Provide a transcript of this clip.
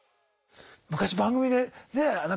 昔番組でね